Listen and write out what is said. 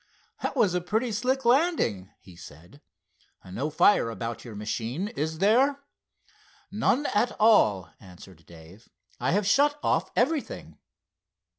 "That was a pretty slick landing," he said. "No fire about your machine, is there?" "None at all," answered Dave. "I have shut off everything."